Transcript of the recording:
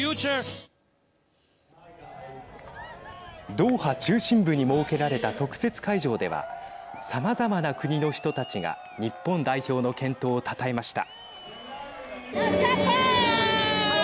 ドーハ中心部に設けられた特設会場ではさまざまな国の人たちが日本代表の健闘をたたえました。